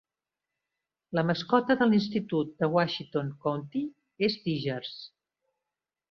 La mascota de l'institut de Washington County és Tigers.